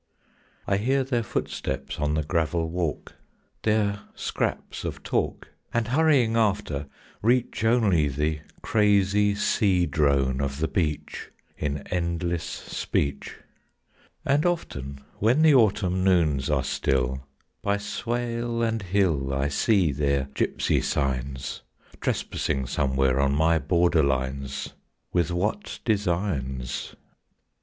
I hear their footsteps on the gravel walk, Their scraps of talk, And hurrying after, reach Only the crazy sea drone of the beach In endless speech. And often when the autumn noons are still, By swale and hill I see their gipsy signs, Trespassing somewhere on my border lines; With what designs?